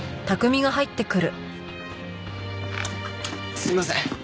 すいません！